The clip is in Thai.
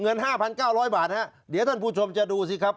๕๙๐๐บาทเดี๋ยวท่านผู้ชมจะดูสิครับ